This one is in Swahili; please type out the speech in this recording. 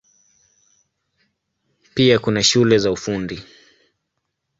Pia kuna shule za Ufundi.